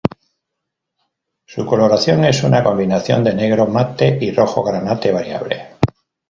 Su coloración es una combinación de negro mate y rojo granate, variable.